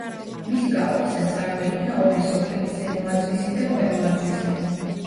მისი გაყოფისას წარმოიქმნა ორი სოფელი ზემო აძვისი და ქვემო აძვისი.